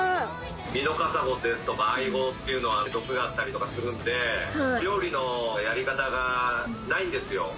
ミノカサゴですとかアイゴっていうのは、毒があったりとかするんで、料理のやり方がないんですよ。